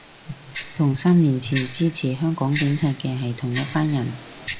同三年前支持香港警察嘅係同一班人